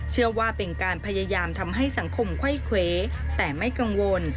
เชื่อว่าเป็นการพยายามทำให้สังคมไข้เขวแต่ไม่กังวล